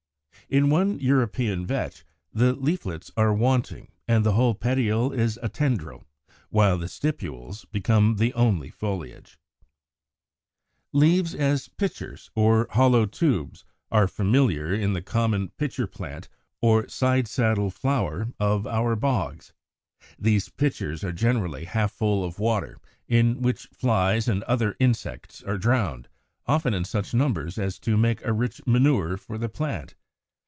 170. In one European Vetch, the leaflets are wanting and the whole petiole is a tendril, while the stipules become the only foliage (Fig. 173). 171. =Leaves as Pitchers=, or hollow tubes, are familiar in the common Pitcher plant or Side saddle Flower (Sarracenia, Fig. 174) of our bogs. These pitchers are generally half full of water, in which flies and other insects are drowned, often in such numbers as to make a rich manure for the plant.